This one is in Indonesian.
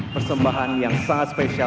persembahan yang sangat spesial